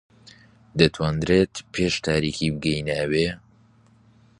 دەتوانرێت پێش تاریکی بگەینە ئەوێ؟